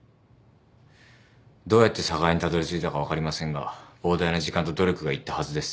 どうやって寒河江にたどりついたか分かりませんが膨大な時間と努力が要ったはずです。